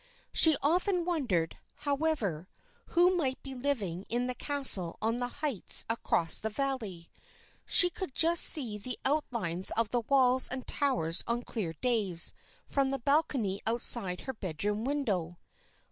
She often wondered, however, who might be living in the castle on the heights across the valley. She could just see the outlines of the walls and towers on clear days from the balcony outside her bedroom window.